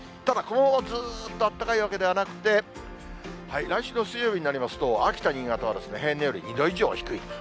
ただ、このままずっと暖かいわけではなくて、来週の水曜日になりますと、秋田、新潟は、平年より２度以上低い。